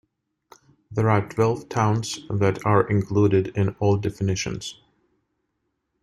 There are twelve towns that are included in all definitions.